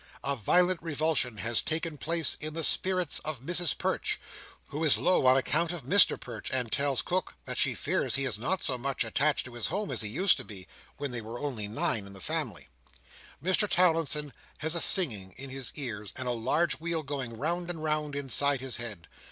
A violent revulsion has taken place in the spirits of Mrs Perch, who is low on account of Mr Perch, and tells cook that she fears he is not so much attached to his home, as he used to be, when they were only nine in family. Mr Towlinson has a singing in his ears and a large wheel going round and round inside his head.